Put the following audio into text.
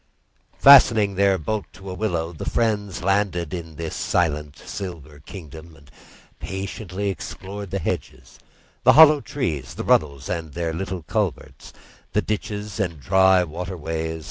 Fastening their boat to a willow, the friends landed in this silent, silver kingdom, and patiently explored the hedges, the hollow trees, the runnels and their little culverts, the ditches and dry water ways.